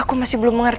aku masih belum mengerti